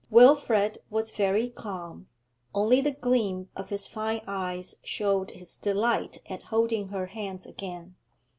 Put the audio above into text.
Wilfrid was very calm, only the gleam of his fine eyes showed his delight at holding her hands again.